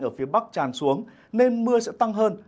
ở phía bắc tràn xuống nên mưa sẽ tăng hơn